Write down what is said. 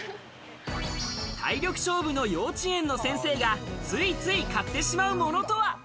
体力勝負の幼稚園の先生がついつい買ってしまうものとは？